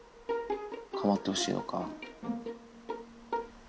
かまってほしいのか。